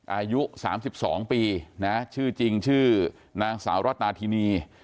อายุ๓๒ปีนะชื่อจริงชื่อนางสาวรัตนาธินี